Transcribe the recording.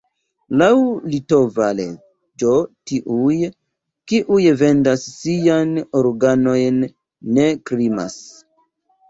Laŭ litova leĝo tiuj, kiuj vendas sian organojn, ne krimas.